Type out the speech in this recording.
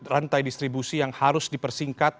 rantai distribusi yang harus dipersingkat